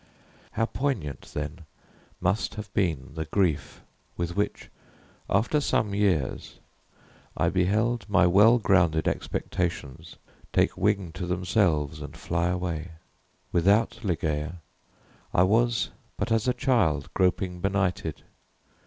How poignant, then, must have been the grief with which, after some years, I beheld my well grounded expectations take wings to themselves and fly away! Without Ligeia I was but as a child groping benighted.